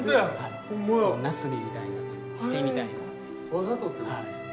わざとってことですよね？